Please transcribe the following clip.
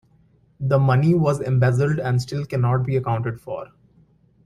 The money was embezzled and still cannot be accounted for.